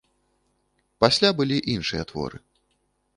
Пасля былі іншыя творы.